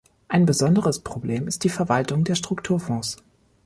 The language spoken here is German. Ein besonderes Problem ist die Verwaltung der Strukturfonds.